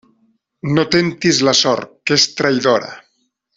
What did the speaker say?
No temptes la sort, que és traïdora.